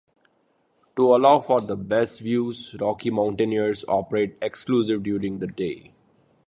To allow for the best views, Rocky Mountaineer operate exclusively during the day.